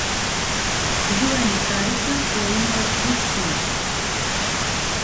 Си била една царица која имала три сина.